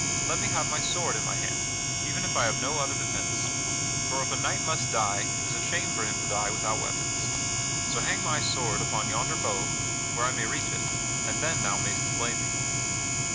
Let me have my sword in my hand, even if I have no other defence. For if a knight must die, it is a shame for him to die without weapons. So hang my sword upon yonder bough, where I may reach it, and then thou mayst slay me."